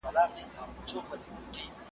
په یوه غوجل کي دواړه اوسېدله ,